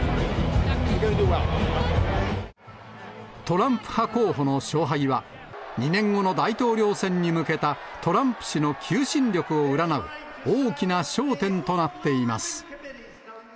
トランプ派候補の勝敗は、２年後の大統領選に向けたトランプ氏の求心力を占う、大きな焦点となっています。